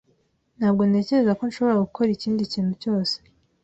Ntabwo ntekereza ko nshobora gukora ikindi kintu cyose.